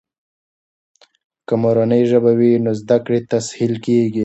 که مورنۍ ژبه وي، نو زده کړې تسهیل کیږي.